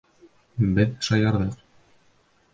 Беҙ шаярҙыҡ.